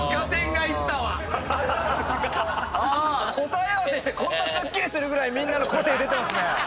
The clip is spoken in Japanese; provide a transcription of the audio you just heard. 答え合わせしてこんなすっきりするぐらいみんなの個性出てますね。